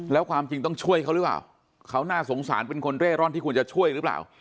แล้วความจริงต้องช่วยเขาหรือเปล่าเขาน่าสงสารเป็นคนเร่ร่อนที่ควรจะช่วยหรือเปล่า